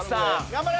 頑張れ！